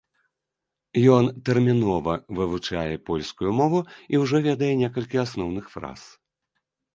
Ён тэрмінова вывучае польскую мову і ўжо ведае некалькі асноўных фраз.